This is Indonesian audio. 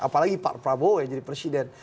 apalagi pak prabowo yang jadi presiden